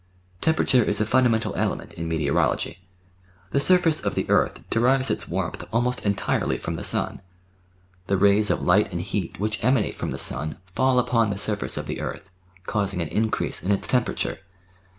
Temperature is a fundamental element in Meteorology. The surface of the earth derives its warmth almost entirely from the sun. The rays of light and heat which emanate from the sun fall upon the surface of the earth, causing an increase in its temperature.